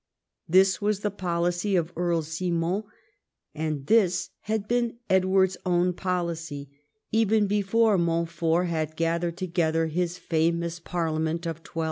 This was the policy of Earl Simon, and this had been Edward's own policy, even before Montfort had gathered together 136 EDWAKD I chap. his famous Parliament of 1265.